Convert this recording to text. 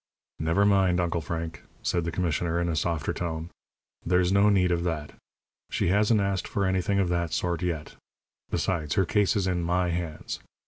"Never mind, Uncle Frank," said the commissioner, in a softer tone. "There's no need of that. She hasn't asked for anything of that sort yet. Besides, her case is in my hands.